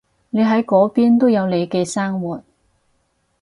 你喺嗰邊都有你嘅生活